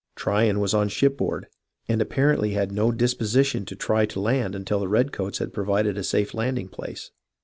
Tryon was on shipboard, and apparently had no disposition to try to land till the redcoats had pro\ ided a safe landing place.